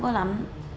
không có lắm